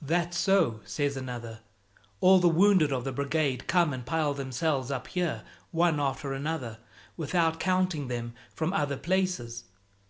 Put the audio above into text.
"That's so," says another; "all the wounded of the Brigade come and pile themselves up here one after another, without counting them from other places.